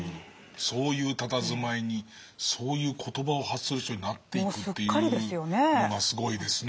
そういうたたずまいにそういう言葉を発する人になっていくっていうのがすごいですね。